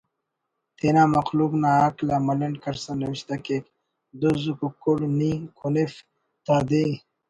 تینا مخلوق نا عقل آ ملنڈ کرسا نوشتہ کیک: دُز ککڑ نی کنف تا دے